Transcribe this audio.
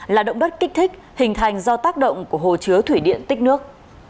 là động đất kích thích hình thành do tác động của hồ chứa thủy điện tích nước